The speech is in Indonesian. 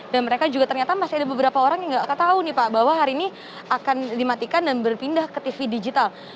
dan mereka juga ternyata masih ada beberapa orang yang tidak akan tahu nih pak bahwa hari ini akan dimatikan dan berpindah ke tv digital